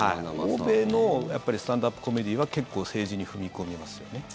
欧米のスタンドアップコメディーは結構、政治に踏み込みますよね。